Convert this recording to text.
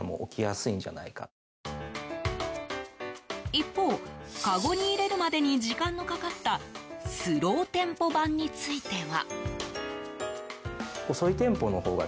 一方、かごに入れるまでに時間のかかったスローテンポ版については。